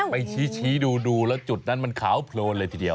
ไปชี้ดูแล้วจุดนั้นมันขาวโพลนเลยทีเดียว